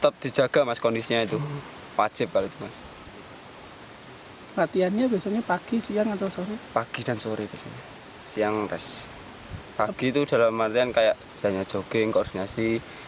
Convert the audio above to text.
pagi itu dalam artian kayak jajanya jogging koordinasi